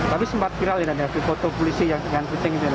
tapi sempat viral ya dan ya foto polisi yang dengan kucing itu